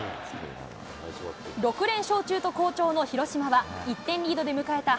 ６連勝中と好調の広島は、１点リードで迎えた